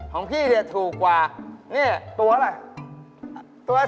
ของพี่ถูกกว่านี่ตัวอะไร